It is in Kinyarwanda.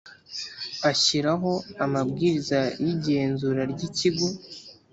Ashyiraho amabwiriza y’igenzura ry’ikigo